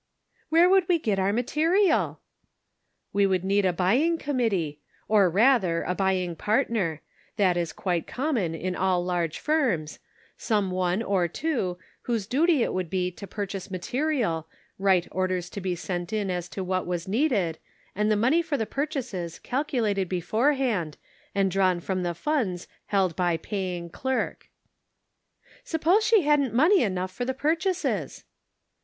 " Where would we get our material ?"" We would need a buying committee — or, rather, a buying partner ; that is quite common Measuring Character. 257 in all large firms — some one, or two, whose duty it would be to purchase material, write orders to be sent in as to what was needed, and the money for the purchases calculated beforehand, and drawn from the funds held by paying clerk." " Suppose she hadn't money enough for the purchases